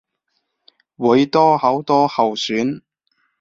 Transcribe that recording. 會多好多候選